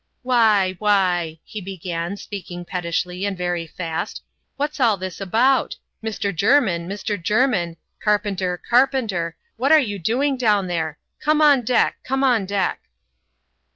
" Why, why," he began, speaking pettishly, and very fast, " what's all this about ?— Mr. Jermin, Mr. Jermin — carpenter, carpenter ; what are you doing down there ? Come on deck ; come on deck."